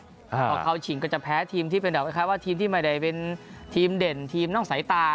พอเข้าชิงก็จะแพ้ทีมที่เป็นแบบคล้ายว่าทีมที่ไม่ได้เป็นทีมเด่นทีมนอกสายตา